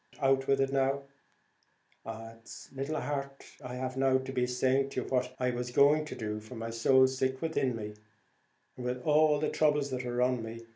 out with it now." "It's little heart I have now to be saying to you what I was going to do, for my soul's sick within me, with all the throubles that are on me.